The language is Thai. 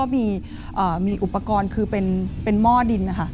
มีอุปกรณ์คือม่อดิน